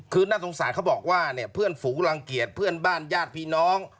คือน่าสงสารเขาบอกว่าเนี่ยเพื่อนฝูรังเกียจเพื่อนบ้านญาติพี่น้อง